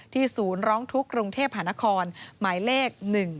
ศูนย์ร้องทุกข์กรุงเทพหานครหมายเลข๑๒